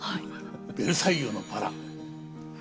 「ベルサイユのばら」。